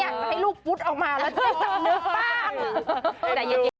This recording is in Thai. ใส่นี้ให้ลูกปุ๊ดออกมาแล้วจับลูกป้าม